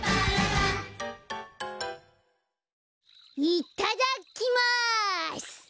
いただきます。